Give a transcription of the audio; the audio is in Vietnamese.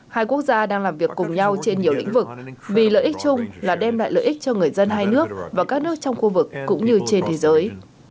hai quốc gia đang làm việc cùng nhau trên nhiều lĩnh vực vì lợi ích chung là đem lại lợi ích cho người dân hai nước và các nước trong khu vực cũng như trên thế giới